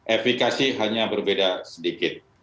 efeknya hanya berbeda sedikit